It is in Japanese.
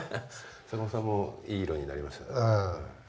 坂本さんもいい色になりましたね。